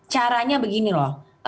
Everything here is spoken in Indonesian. caranya begini loh